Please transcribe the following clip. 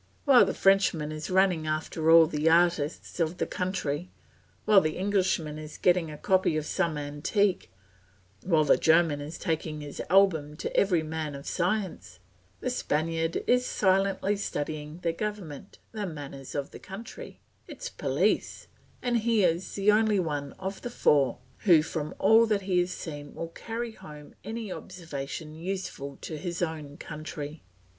While the Frenchman is running after all the artists of the country, while the Englishman is getting a copy of some antique, while the German is taking his album to every man of science, the Spaniard is silently studying the government, the manners of the country, its police, and he is the only one of the four who from all that he has seen will carry home any observation useful to his own country.